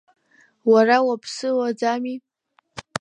Уара уаԥсыуаӡами?